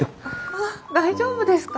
あっ大丈夫ですか？